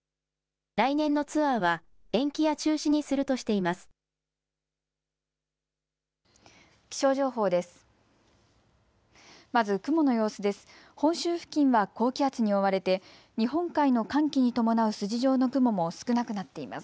来年のツアーは延期や中止にするとしています。